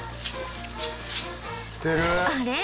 あれ？